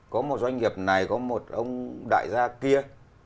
có một doanh nghiệp này có một ông đại gia kia